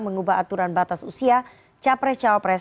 mengubah aturan batas usia capres cawapres